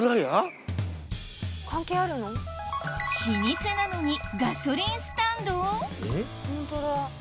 老舗なのにガソリンスタンド？